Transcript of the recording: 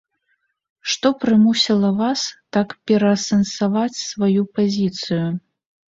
Што прымусіла вас так пераасэнсаваць сваю пазіцыю?